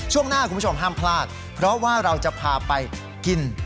ช่วงหน้าคุณผู้ชมห้ามพลาดเพราะว่าเราจะพาไปกิน